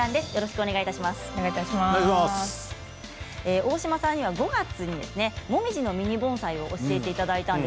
大島さんには５月にもみじのミニ盆栽を教えていただきました。